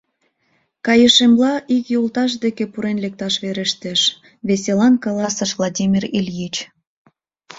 Кайышемла, ик йолташ деке пурен лекташ верештеш, — веселан каласыш Владимир Ильич.